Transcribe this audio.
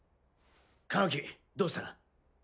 カワキどうした？